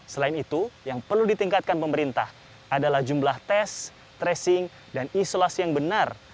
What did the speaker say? selain itu yang perlu ditingkatkan pemerintah adalah jumlah tes tracing dan isolasi yang benar